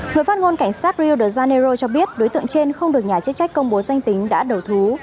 người phát ngôn cảnh sát rio de janeiro cho biết đối tượng trên không được nhà chức trách công bố danh tính đã đầu thú